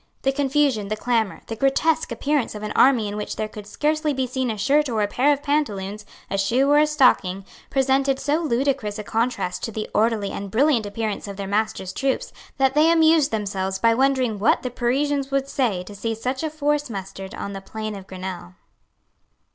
The confusion, the clamour, the grotesque appearance of an army in which there could scarcely be seen a shirt or a pair of pantaloons, a shoe or a stocking, presented so ludicrous a contrast to the orderly and brilliant appearance of their master's troops, that they amused themselves by wondering what the Parisians would say to see such a force mustered on the plain of Grenelle.